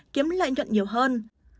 kiếm lợi nhuận nhiều hơn